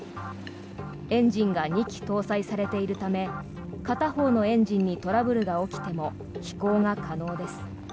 エンジンが２基搭載されているため片方のエンジンにトラブルが起きても飛行が可能です。